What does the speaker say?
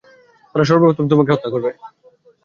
তারা সর্বপ্রথম তোমাকে হত্যা করবে।